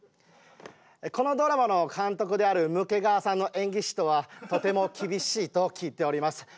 このドラマの監督であるムケガワさんの演技指導はとても厳しいと聞いております。